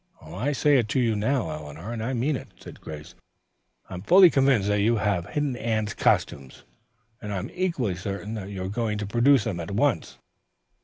"I say it to you now, Eleanor, and I mean it," said Grace. "I am fully convinced that you have hidden Anne's costumes and I am equally certain that you are going to produce them at once."